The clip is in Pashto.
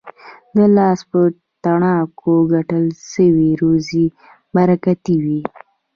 د لاس په تڼاکو ګټل سوې روزي برکتي وي.